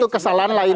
itu kesalahan lain